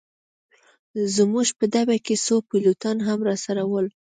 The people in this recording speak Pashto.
زموږ په ډبه کي څو پیلوټان هم راسره ول.